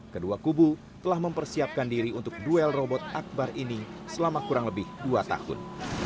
kedua kubu telah mempersiapkan diri untuk duel robot akbar ini selama kurang lebih dua tahun